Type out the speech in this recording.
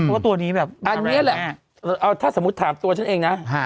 เพราะว่าตัวนี้แบบอันนี้แหละเอาถ้าสมมุติถามตัวฉันเองนะ